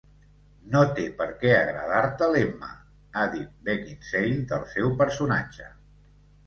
"No té perquè agradar-te l'Emma", ha dit Beckinsale del seu personatge.